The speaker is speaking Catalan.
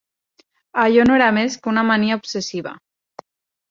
Allò no era més que una mania obsessiva.